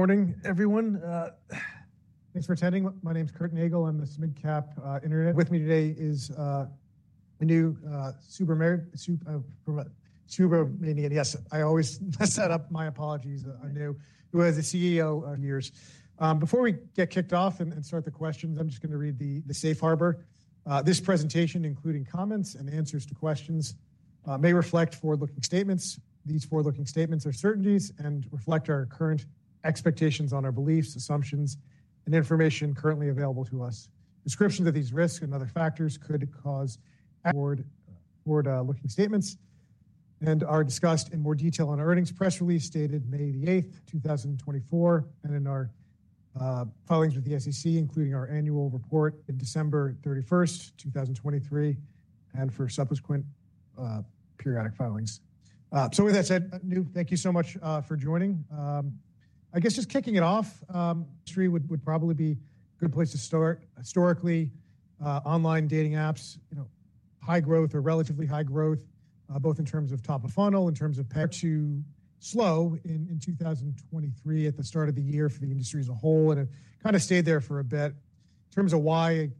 Morning, everyone. Thanks for attending. My name is Kurt Nagel. I'm with Oppenheimer, Internet. With me today is Anu Subramanian. Yes, I always mess that up, my apologies. I know who is the CEO of yours. Before we get kicked off and start the questions, I'm just gonna read the Safe Harbor. This presentation, including comments and answers to questions, may reflect forward-looking statements. These forward-looking statements are certainties and reflect our current expectations on our beliefs, assumptions, and information currently available to us. Descriptions of these risks and other factors could cause forward-looking statements and are discussed in more detail on our earnings press release dated May 8, 2024, and in our filings with the SEC, including our annual report in December 31, 2023, and for subsequent periodic filings. So with that said, Anu, thank you so much for joining. I guess just kicking it off, history would probably be a good place to start. Historically, online dating apps, you know, high growth or relatively high growth, both in terms of top of funnel, in terms of perhaps too slow in 2023 at the start of the year for the industry as a whole, and it kind of stayed there for a bit. In terms of why,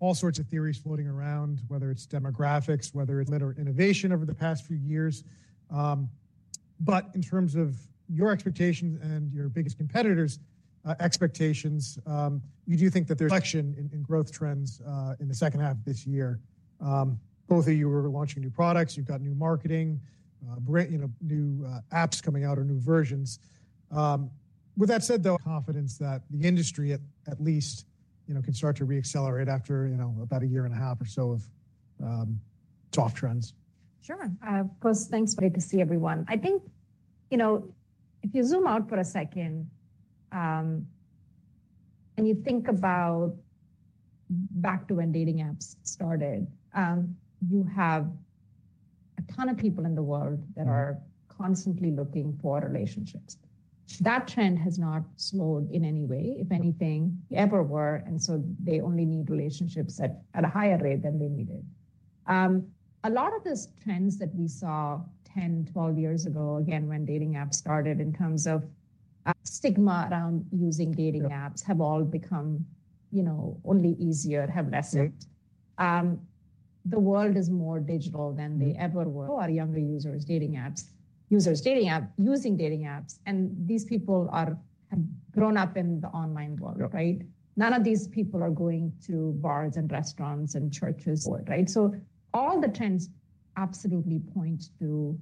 all sorts of theories floating around, whether it's demographics, whether it's lifestyle or innovation over the past few years. In terms of your expectations and your biggest competitors' expectations, you do think that there's action in growth trends in the second half of this year. Both of you are launching new products, you've got new marketing, brand, you know, new apps coming out or new versions. With that said, though, confidence that the industry at least, you know, can start to reaccelerate after, you know, about a year and a half or so of soft trends. Sure. Of course. Thanks. Great to see everyone. I think, you know, if you zoom out for a second, and you think about back to when dating apps started, you have a ton of people in the world- Mm-hmm. that are constantly looking for relationships. That trend has not slowed in any way, if anything, ever were, and so they only need relationships at a higher rate than they needed. A lot of these trends that we saw 10, 12 years ago, again, when dating apps started, in terms of, stigma around using dating apps, have all become, you know, only easier and have less impact. The world is more digital than they ever were. A lot of younger users, dating apps, users, dating app, using dating apps, and these people are, have grown up in the online world, right? Yep. None of these people are going to bars and restaurants and churches, right? So all the trends absolutely point to,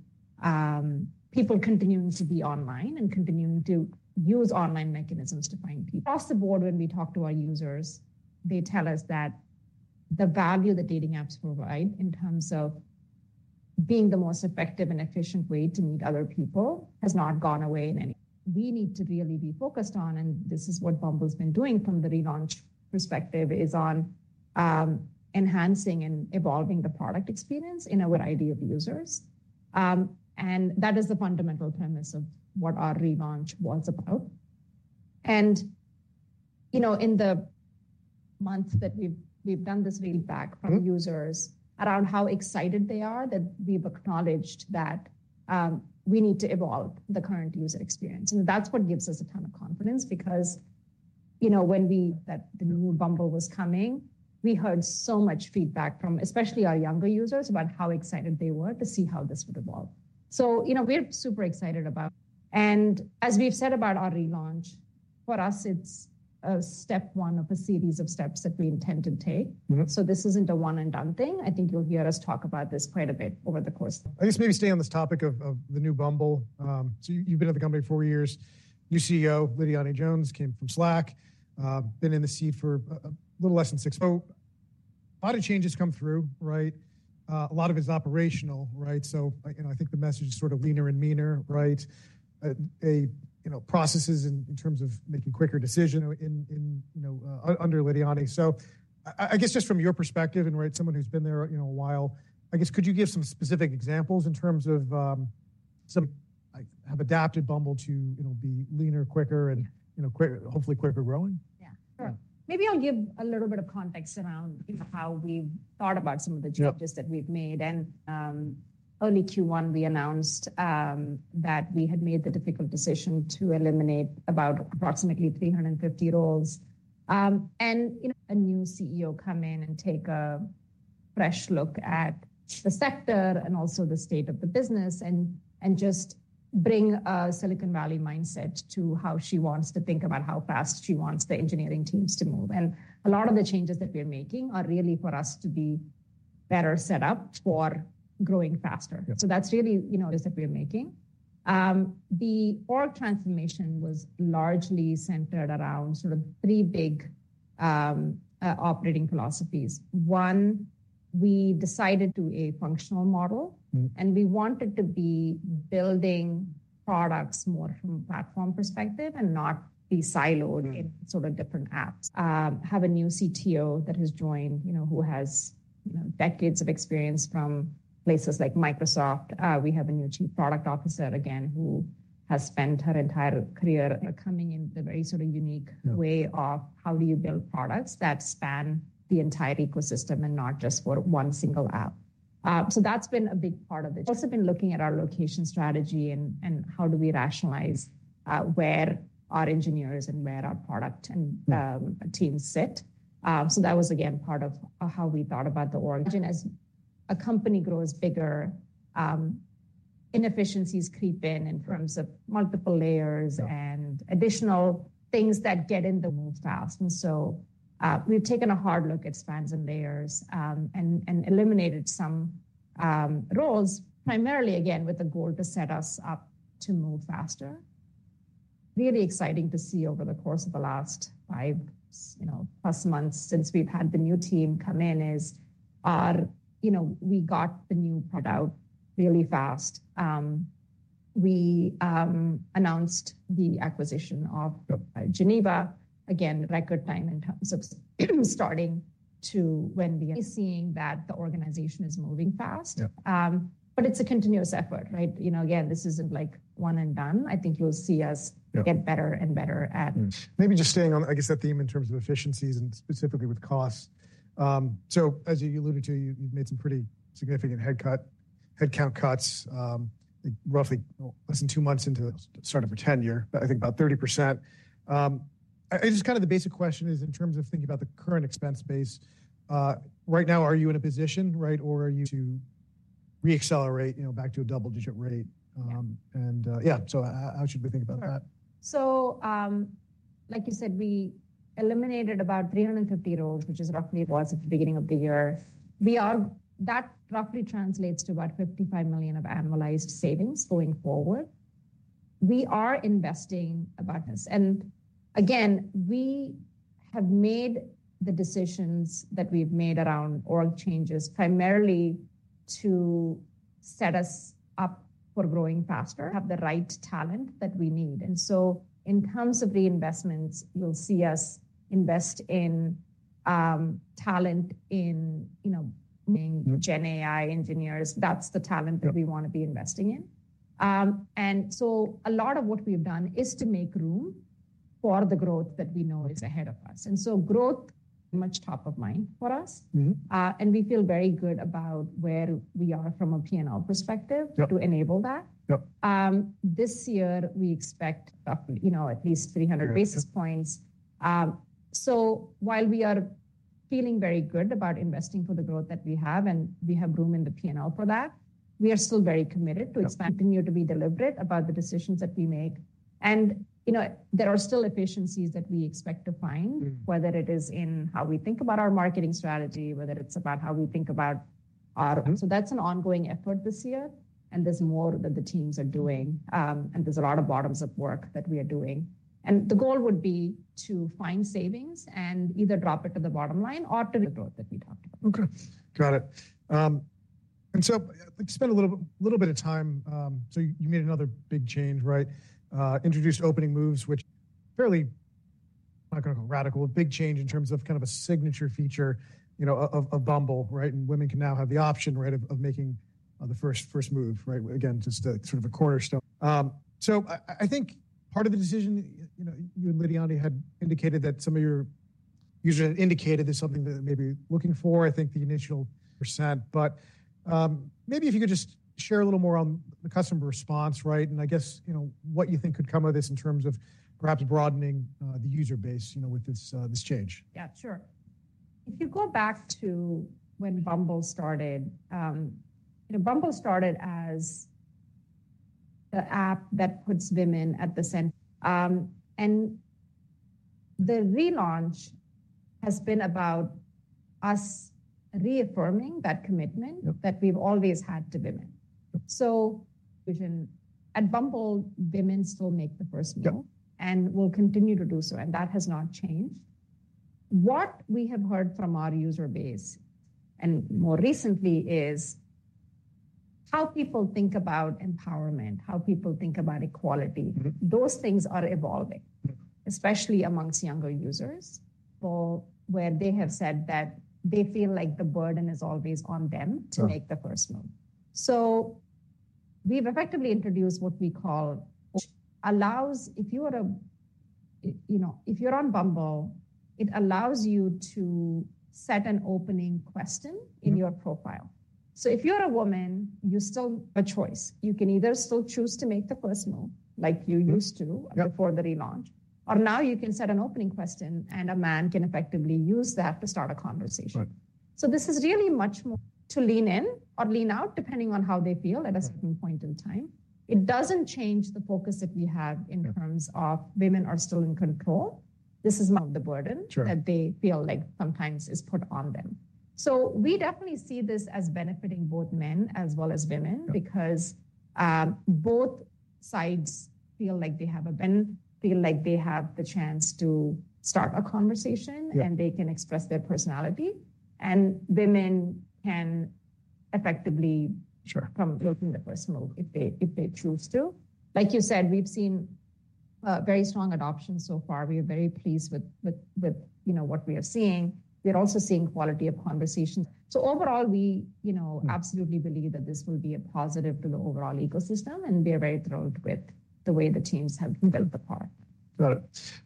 people continuing to be online and continuing to use online mechanisms to find people. Across the board, when we talk to our users, they tell us that the value that dating apps provide in terms of being the most effective and efficient way to meet other people has not gone away in any... We need to really be focused on, and this is what Bumble's been doing from the relaunch perspective, is on, enhancing and evolving the product experience in a wide idea of users. And that is the fundamental premise of what our relaunch was about. And, you know, in the months that we've done this feedback from users around how excited they are that we've acknowledged that we need to evolve the current user experience. That's what gives us a ton of confidence, because, you know, when, that the new Bumble was coming, we heard so much feedback from especially our younger users about how excited they were to see how this would evolve. So, you know, we're super excited about... And as we've said about our relaunch, for us, it's step one of a series of steps that we intend to take. Mm-hmm. This isn't a one and done thing. I think you'll hear us talk about this quite a bit over the course. I guess maybe stay on this topic of the new Bumble. So you, you've been at the company four years. New CEO, Lidiane Jones, came from Slack, been in the seat for a little less than six months. So a lot of changes come through, right? You know, processes in terms of making quicker decision in, you know, under Lidiane. So I guess just from your perspective and, right, someone who's been there, you know, a while, I guess, could you give some specific examples in terms of, some, like, have adapted Bumble to, you know, be leaner, quicker, and, you know, quick- hopefully quicker growing? Yeah, sure. Yeah. Maybe I'll give a little bit of context around, you know, how we've thought about some of the- Yep... changes that we've made. And, early Q1, we announced, that we had made the difficult decision to eliminate about approximately 350 roles. And, you know, a new CEO come in and take a fresh look at the sector and also the state of the business, and, and just bring a Silicon Valley mindset to how she wants to think about how fast she wants the engineering teams to move. And a lot of the changes that we're making are really for us to be better set up for growing faster. Yep. So that's really, you know, is that we're making. The org transformation was largely centered around sort of three big operating philosophies. One, we decided to a functional model- Mm-hmm. And we wanted to be building products more from a platform perspective and not be siloed. Mm-hmm... in sort of different apps. Have a new CTO that has joined, you know, who has, you know, decades of experience from places like Microsoft. We have a new Chief Product Officer again, who has spent her entire career coming in the very sort of unique way- Yeah... of how do you build products that span the entire ecosystem and not just for one single app? So that's been a big part of it. We've also been looking at our location strategy and how do we rationalize where our engineers and where our product and teams sit. So that was again part of how we thought about the origin. As a company grows bigger, inefficiencies creep in terms of multiple layers- Yeah - and additional things that get in the move fast. And so, we've taken a hard look at spans and layers, and eliminated some roles, primarily again, with the goal to set us up to move faster. Really exciting to see over the course of the last five, you know, plus months since we've had the new team come in is, you know, we got the new product out really fast. We announced the acquisition of- Yep... Geneva, again, record time in terms of starting to when we. We're seeing that the organization is moving fast. Yeah. But it's a continuous effort, right? You know, again, this isn't like one and done. I think you'll see us- Yeah... get better and better at it. Maybe just staying on, I guess, that theme in terms of efficiencies and specifically with costs. So as you alluded to, you've made some pretty significant headcount cuts, like roughly, well, less than two months into the start of your tenure, but I think about 30%. Just kind of the basic question is, in terms of thinking about the current expense base, right now, are you in a position, right, or are you to reaccelerate, you know, back to a double-digit rate? And yeah, so how should we think about that? Sure. So, like you said, we eliminated about 350 roles, which is roughly it was at the beginning of the year. That roughly translates to about $55 million of annualized savings going forward. We are investing about this. And again, we have made the decisions that we've made around org changes primarily to set us up for growing faster, have the right talent that we need. And so in terms of the investments, you'll see us invest in talent in, you know, being- Mm... Gen AI engineers. That's the talent- Yep that we want to be investing in. And so a lot of what we've done is to make room for the growth that we know is ahead of us. And so growth, much top of mind for us. Mm-hmm. We feel very good about where we are from a P&L perspective- Yep... to enable that. Yep. This year, we expect, you know, at least 300 basis points. Yep. So while we are feeling very good about investing for the growth that we have, and we have room in the P&L for that, we are still very committed- Yep... to continue to be deliberate about the decisions that we make. And, you know, there are still efficiencies that we expect to find. Mm. Whether it is in how we think about our marketing strategy, whether it's about how we think about our. So that's an ongoing effort this year, and there's more that the teams are doing. And there's a lot of bottom-up work that we are doing. And the goal would be to find savings and either drop it to the bottom line or to the growth that we talked about. Okay, got it. And so I'd like to spend a little bit of time, so you made another big change, right? Introduced Opening Moves, which fairly, not gonna go radical, a big change in terms of kind of a signature feature, you know, of Bumble, right? And women can now have the option, right, of making the first move, right? Again, just a sort of a cornerstone. So I think part of the decision, you know, you and Lidiane had indicated that some of your users had indicated there's something that maybe looking for, I think the initial percent. But maybe if you could just share a little more on the customer response, right? I guess, you know, what you think could come with this in terms of perhaps broadening the user base, you know, with this, this change? Yeah, sure. If you go back to when Bumble started, you know, Bumble started as the app that puts women at the center. And the relaunch has been about us reaffirming that commitment- Yep... that we've always had to women. Yep. At Bumble, women still make the first move. Yep. will continue to do so, and that has not changed. What we have heard from our user base, and more recently, is how people think about empowerment, how people think about equality. Mm-hmm. Those things are evolving- Mm... especially among younger users, or where they have said that they feel like the burden is always on them- Sure... to make the first move. So we've effectively introduced what we call Opening Moves, if you are, you know, if you're on Bumble, it allows you to set an opening question- Mm... in your profile. So if you're a woman, you still have a choice. You can either still choose to make the first move like you used to- Yep... before the relaunch, or now you can set an opening question, and a man can effectively use that to start a conversation. Right. This is really much more to lean in or lean out, depending on how they feel at a- Mm... certain point in time. It doesn't change the focus that we have in- Yep... terms of women are still in control. This is not the burden- Sure... that they feel like sometimes is put on them. So we definitely see this as benefiting both men as well as women- Yep... because both sides feel like they have a benefit, feel like they have the chance to start a conversation- Yep... and they can express their personality, and women can effectively- Sure... can open the first move if they choose to. Like you said, we've seen very strong adoption so far. We are very pleased with, you know, what we are seeing. We're also seeing quality of conversation. So overall, we, you know- Mm... absolutely believe that this will be a positive to the overall ecosystem, and we are very thrilled with the way the teams have built the product. Got it.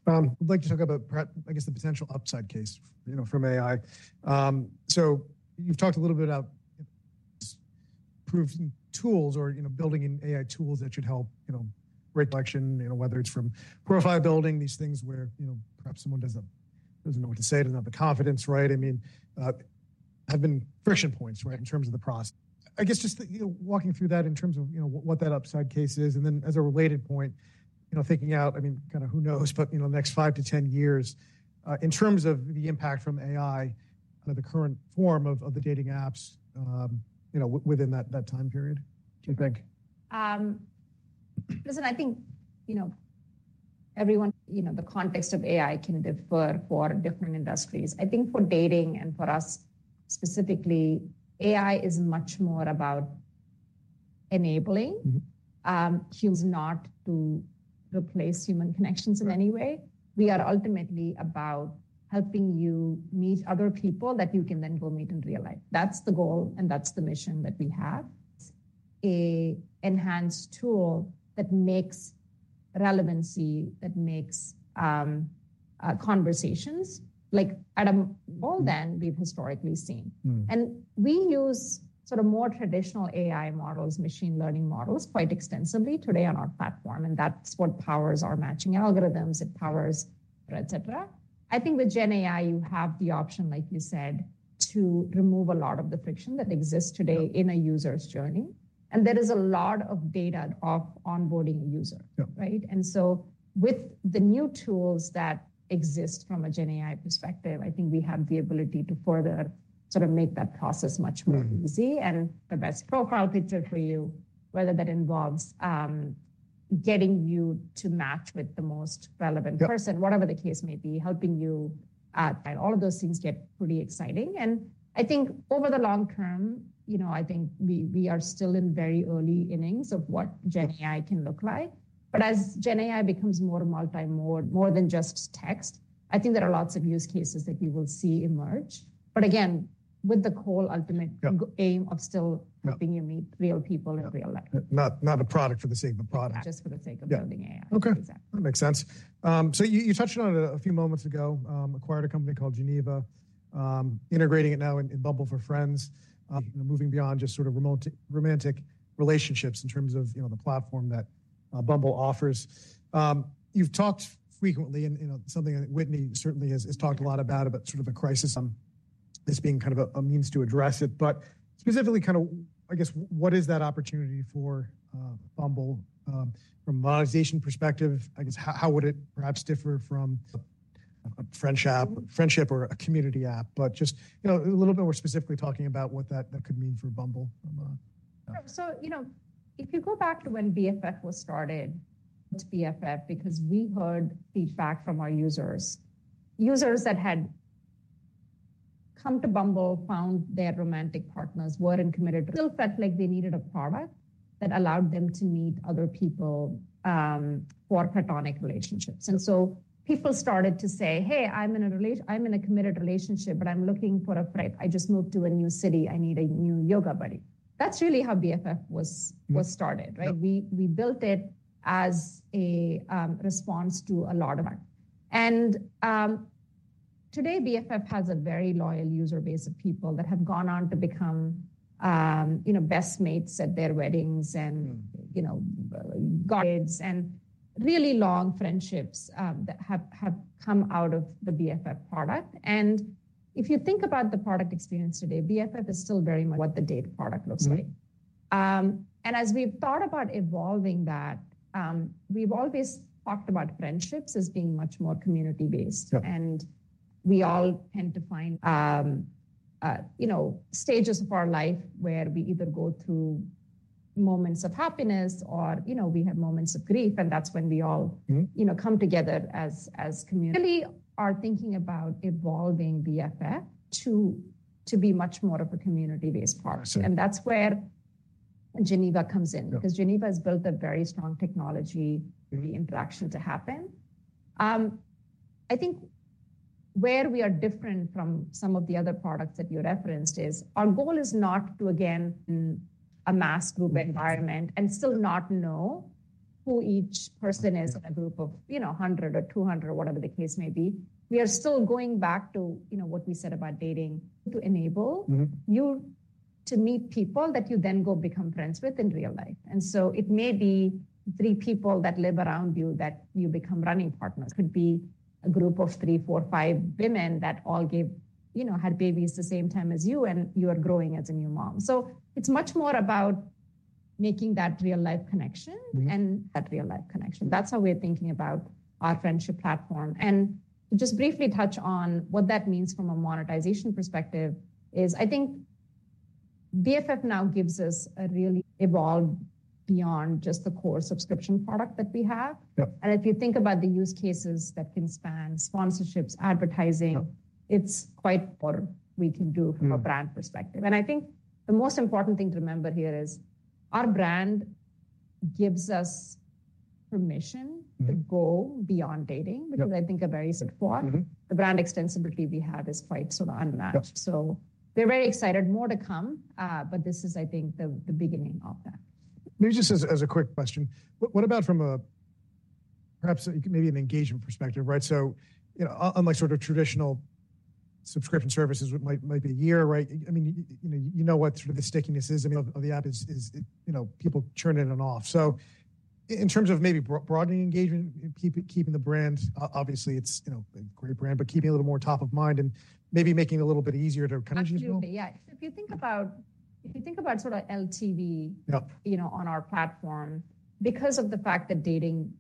I'd like to talk about perhaps, I guess, the potential upside case, you know, from AI. So you've talked a little bit about improve tools or, you know, building in AI tools that should help, you know, great collection, you know, whether it's from profile building, these things where, you know, perhaps someone doesn't know what to say, doesn't have the confidence, right? I mean, have been friction points, right, in terms of the process. I guess just, you know, walking through that in terms of, you know, what that upside case is, and then as a related point, you know, thinking out, I mean, kind of who knows, but you know, the next 5-10 years, in terms of the impact from AI on the current form of the dating apps, you know, within that time period, do you think? Listen, I think, you know, everyone, you know, the context of AI can differ for different industries. I think for dating and for us specifically, AI is much more about enabling. Mm-hmm. It's not to replace human connections in any way. Right. We are ultimately about helping you meet other people that you can then go meet in real life. That's the goal, and that's the mission that we have. It's a enhanced tool that makes relevancy, that makes conversations like at a more- Mm... than we've historically seen. Mm. We use sort of more traditional AI models, machine learning models, quite extensively today on our platform, and that's what powers our matching algorithms, it powers et cetera. I think with Gen AI, you have the option, like you said, to remove a lot of the friction that exists today- Yeah... in a user's journey, and there is a lot of data of onboarding a user. Yeah. Right? And so with the new tools that exist from a Gen AI perspective, I think we have the ability to further sort of make that process much more- Mm... easy and the best profile picture for you, whether that involves, getting you to match with the most relevant person- Yeah... whatever the case may be, helping you out. All of those things get pretty exciting. I think over the long term, you know, I think we are still in very early innings of what Gen AI can look like. But as Gen AI becomes more multi-mode, more than just text, I think there are lots of use cases that we will see emerge. But again, with the core ultimate- Yeah... aim of still- Yeah... helping you meet real people in real life. Yeah. Not a product for the sake of a product. Just for the sake of building AI. Yeah. Okay. Exactly. That makes sense. So you touched on it a few moments ago, acquired a company called Geneva, integrating it now in Bumble For Friends, moving beyond just sort of remote, romantic relationships in terms of, you know, the platform that Bumble offers. You've talked frequently and, you know, something that Whitney certainly has talked a lot about, about sort of a crisis, this being kind of a means to address it. But specifically kind of, I guess, what is that opportunity for Bumble, from a monetization perspective? I guess, how would it perhaps differ from a friendship or a community app? But just, you know, a little bit more specifically talking about what that could mean for Bumble from a- So, you know, if you go back to when BFF was started, BFF, because we heard feedback from our users. Users that had come to Bumble, found their romantic partners were committed, but still felt like they needed a product that allowed them to meet other people for platonic relationships. And so people started to say: "Hey, I'm in a relat-- I'm in a committed relationship, but I'm looking for a friend. I just moved to a new city. I need a new yoga buddy." That's really how BFF was, was started, right? Yeah. We built it as a response to a lot of that. And today, BFF has a very loyal user base of people that have gone on to become, you know, best mates at their weddings and- Mm... you know, guides and really long friendships, that have come out of the BFF product. And if you think about the product experience today, BFF is still very much what the date product looks like. Mm. As we've thought about evolving that, we've always talked about friendships as being much more community-based. Yeah. We all tend to find, you know, stages of our life where we either go through moments of happiness or, you know, we have moments of grief, and that's when we all- Mm... you know, come together as community. We are thinking about evolving BFF to be much more of a community-based product. I see. That's where Geneva comes in. Yeah... because Geneva has built a very strong technology, the interaction to happen. I think where we are different from some of the other products that you referenced is, our goal is not to again, a mass group environment- Mm-hmm... and still not know who each person is. Yeah... in a group of, you know, 100 or 200, whatever the case may be. We are still going back to, you know, what we said about dating, to enable- Mm-hmm... you to meet people that you then go become friends with in real life. And so it may be three people that live around you, that you become running partners. Could be a group of three, four, five women that all gave, you know, had babies the same time as you, and you are growing as a new mom. So it's much more about making that real-life connection- Mm... and that real-life connection. That's how we're thinking about our friendship platform. And just briefly touch on what that means from a monetization perspective is, I think BFF now gives us a really evolved beyond just the core subscription product that we have. Yeah. If you think about the use cases that can span sponsorships, advertising. Yeah... it's quite more we can do- Mm... from a brand perspective. I think the most important thing to remember here is, our brand gives us permission- Mm... to go beyond dating- Yeah... because I think a very simple one. Mm-hmm. The brand extensibility we have is quite sort of unmatched. Yeah. So we're very excited. More to come, but this is, I think, the beginning of that. Maybe just as a quick question, what about from a perhaps maybe an engagement perspective, right? So, you know, unlike sort of traditional subscription services, it might be a year, right? I mean, you know, you know what sort of the stickiness is, I mean, of the app is, you know, people churn in and off. So in terms of maybe broadening engagement, keeping the brand, obviously it's, you know, a great brand, but keeping a little more top of mind and maybe making it a little bit easier to kind of use. Absolutely, yeah. If you think about sort of LTV- Yep You know, on our platform, because of the fact that dating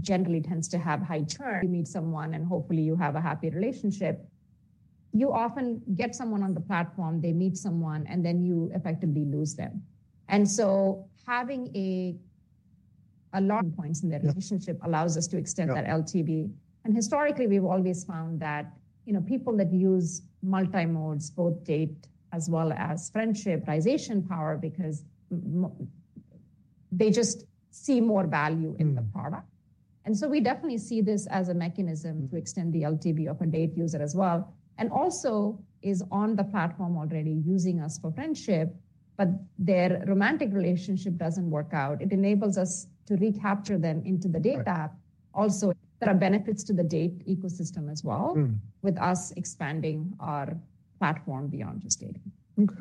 generally tends to have high churn, you meet someone and hopefully you have a happy relationship. You often get someone on the platform, they meet someone, and then you effectively lose them. And so having a lot of points in that relationship. Yep allows us to extend that LTV. Yep. Historically, we've always found that, you know, people that use multiple modes both dating as well as friendship realize our power, because they just see more value in the product. Mm-hmm. And so we definitely see this as a mechanism to extend the LTV of a dating user as well, and also [for those who] are on the platform already using us for friendship, but their romantic relationship doesn't work out. It enables us to recapture them into the dating app. Right. Also, there are benefits to the dating ecosystem as well- Mm... with us expanding our platform beyond just dating. Okay.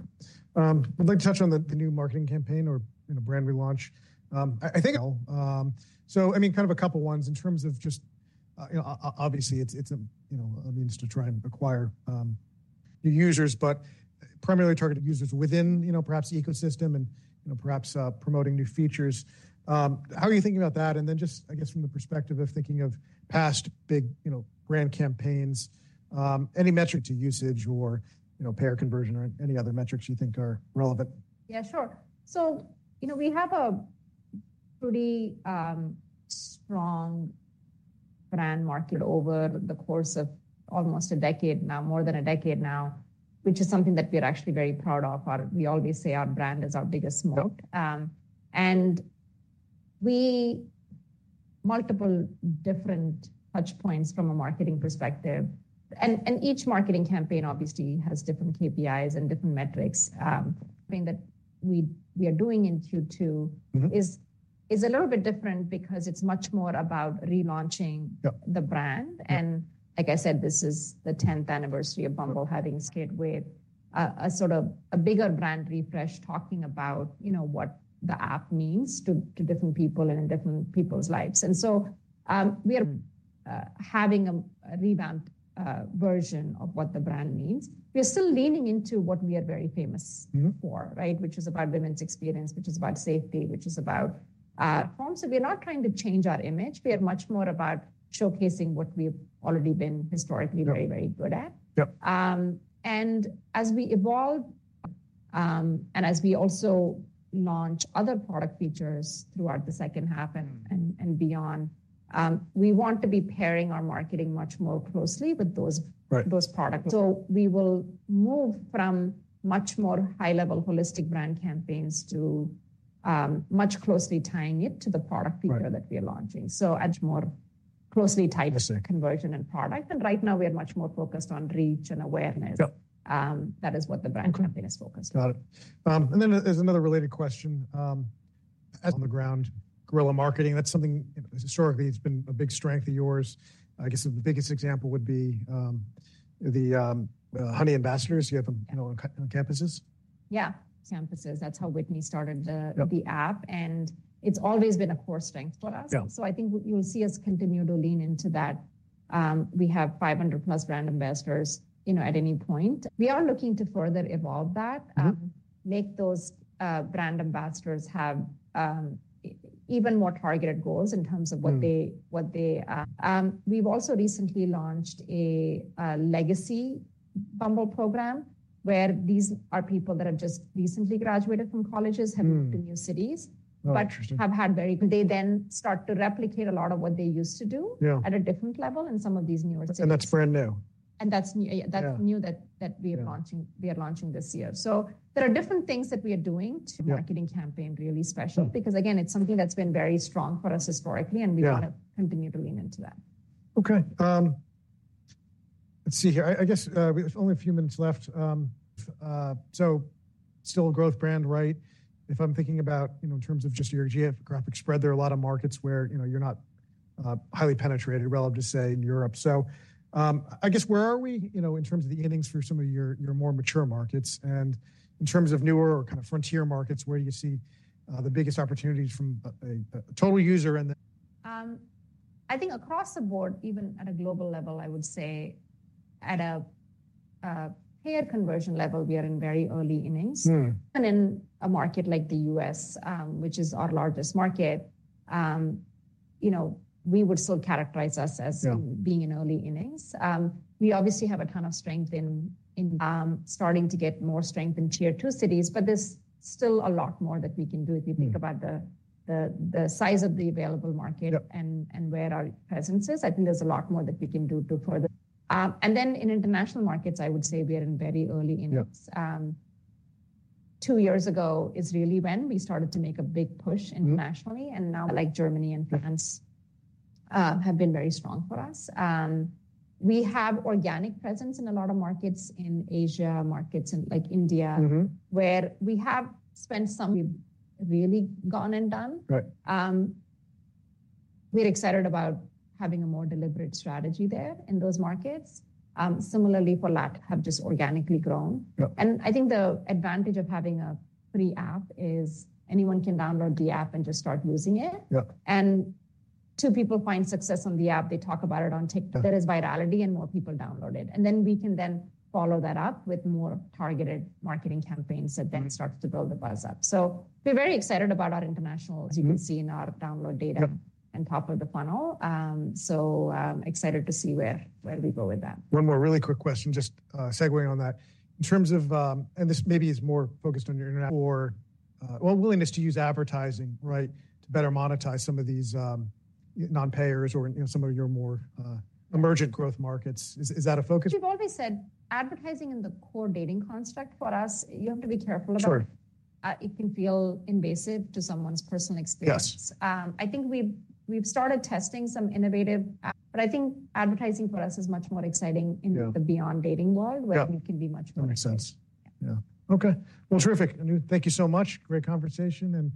I'd like to touch on the new marketing campaign or, you know, brand relaunch. I think... So, I mean, kind of a couple ones in terms of just, you know, obviously, it's a, you know, a means to try and acquire new users, but primarily targeted users within, you know, perhaps the ecosystem and, you know, perhaps promoting new features. How are you thinking about that? And then just, I guess, from the perspective of thinking of past big, you know, brand campaigns, any metrics of usage or, you know, payer conversion or any other metrics you think are relevant? Yeah, sure. So, you know, we have a pretty strong brand market over the course of almost a decade now, more than a decade now, which is something that we're actually very proud of. We always say our brand is our biggest moat. Yep. and we multiple different touch points from a marketing perspective. And each marketing campaign obviously has different KPIs and different metrics. I mean, that we are doing in Q2- Mm-hmm... is a little bit different because it's much more about relaunching- Yep - the brand. Yep. Like I said, this is the tenth anniversary of Bumble having kicked off with a sort of a bigger brand refresh, talking about, you know, what the app means to different people and in different people's lives. So, we are having a revamped version of what the brand means. We are still leaning into what we are very famous- Mm-hmm... for, right? Which is about women's experience, which is about safety, which is about form. So we are not trying to change our image. We are much more about showcasing what we've already been historically- Yep... very, very good at. Yep. And as we evolve, and as we also launch other product features throughout the second half and beyond, we want to be pairing our marketing much more closely with those. Right... those products. So we will move from much more high-level holistic brand campaigns to much closely tying it to the product feature- Right... that we are launching. So much more closely tied- I see... conversion and product. Right now, we are much more focused on reach and awareness. Yep. that is what the brand- Yep... campaign is focused on. Got it. And then there's another related question, on the ground, guerrilla marketing, that's something historically it's been a big strength of yours. I guess the biggest example would be the Honey ambassadors you have, you know, on campuses. Yeah, campuses. That's how Whitney started the- Yep... the app, and it's always been a core strength for us. Yep. I think what you will see us continue to lean into that. We have 500+ brand ambassadors, you know, at any point. We are looking to further evolve that- Mm-hmm... make those brand ambassadors have even more targeted goals in terms of what they- Mm... what they, we've also recently launched a legacy Bumble program, where these are people that have just recently graduated from colleges- Mm... have moved to new cities- Oh, interesting... but have had very, they then start to replicate a lot of what they used to do- Yeah... at a different level in some of these newer cities. That's brand new? That's new, yeah. Yeah. That's new that we are launching- Yeah... we are launching this year. So there are different things that we are doing- Yep... to marketing campaign really special. Yep. Because, again, it's something that's been very strong for us historically- Yeah... and we want to continue to lean into that. Okay, let's see here. I guess we have only a few minutes left. So still a growth brand, right? If I'm thinking about, you know, in terms of just your geographic spread, there are a lot of markets where, you know, you're not highly penetrated relative to, say, in Europe. So, I guess, where are we, you know, in terms of the innings for some of your more mature markets, and in terms of newer or kind of frontier markets, where you see the biggest opportunities from a total user and the- I think across the board, even at a global level, I would say at a payer conversion level, we are in very early innings. Mm. In a market like the US, which is our largest market, you know, we would still characterize us as- Yeah... being in early innings. We obviously have a ton of strength in starting to get more strength in tier two cities, but there's still a lot more that we can do. Mm-hmm. If you think about the size of the available market- Yep... and where our presence is, I think there's a lot more that we can do to further. And then in international markets, I would say we are in very early innings. Yep. 2 years ago is really when we started to make a big push- Mm-hmm... internationally, and now, like Germany and France, have been very strong for us. We have organic presence in a lot of markets, in Asia, markets in like India- Mm-hmm... where we have spent some, we've really gone and done. Right. We're excited about having a more deliberate strategy there in those markets. Similarly, for that have just organically grown. Yep. I think the advantage of having a free app is anyone can download the app and just start using it. Yep. Two people find success on the app, they talk about it on TikTok. Yep. There is virality, and more people download it. And then we can then follow that up with more targeted marketing campaigns that then- Mm... starts to build the buzz up. So we're very excited about our international- Mm-hmm... as you can see in our download data- Yep... and top of the funnel. So, I'm excited to see where we go with that. One more really quick question, just, segue on that. In terms of, and this maybe is more focused on your interest in or, well, willingness to use advertising, right, to better monetize some of these non-payers or, you know, some of your more emerging growth markets. Is that a focus? We've always said advertising in the core dating construct for us, you have to be careful about- Sure... it can feel invasive to someone's personal experience. Yes. I think we've started testing some innovative app, but I think advertising for us is much more exciting. Yep... in the beyond dating world- Yep... where it can be much more sense. Makes sense. Yeah. Yeah. Okay, well, terrific. Anu, thank you so much. Great conversation and-